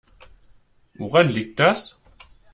Woran liegt das?